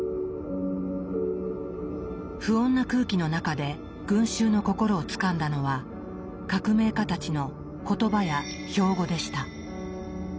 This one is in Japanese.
不穏な空気の中で群衆の心をつかんだのは革命家たちの「言葉」や「標語」でした。